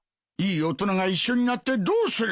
いい大人が一緒になってどうする。